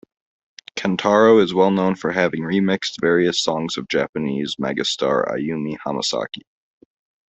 Kentaro is well known for having remixed various songs of Japanese megastar Ayumi Hamasaki.